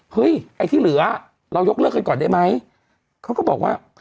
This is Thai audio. เฮ้ยไอ้ที่เหลือเรายกเลิกกันก่อนได้ไหมเขาก็บอกว่า